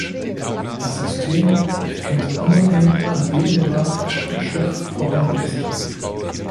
Das System erkennt unabhängig an jedem Rad, ob Schlupf vorhanden ist.